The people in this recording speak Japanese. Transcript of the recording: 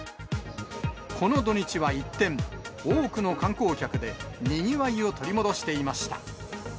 この土日は一転、多くの観光客でにぎわいを取り戻していました。